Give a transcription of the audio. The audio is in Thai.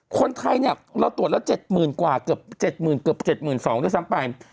คนไทยเราตรวจแล้ว๗๐๐๐๐กว่าเกือบ๗๐๐๐๐๗๒๐๐๐ด้วยซ้ำไป